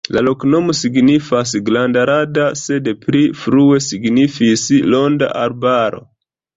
La loknomo signifas: granda-rada, sed pli frue signifis ronda arbaro.